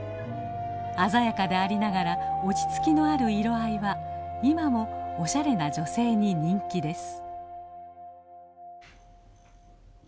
鮮やかでありながら落ち着きのある色合いは今もおしゃれな女性に人気です。